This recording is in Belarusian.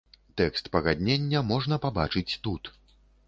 Тэкст пагаднення можна пабачыць тут.